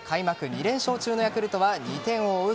２連勝中のヤクルトは２点を追う